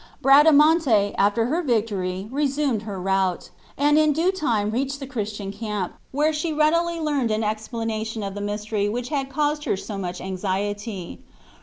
Bradamante after her victory resumed her route, and in due time reached the Christian camp, where she readily learned an explanation of the mystery which had caused her so much anxiety.